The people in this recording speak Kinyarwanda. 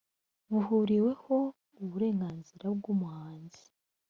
bihuriweho uburenganzira bw umuhanzi